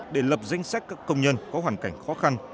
để lập danh sách các công nhân có hoàn cảnh khó khăn